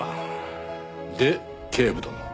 で警部殿。